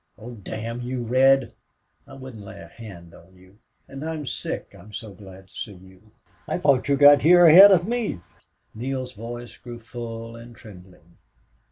"Oh, damn you, Red!... I wouldn't lay a hand on you. And I am sick, I'm so glad to see you!... I thought you got here ahead of me." Neale's voice grew full and trembling.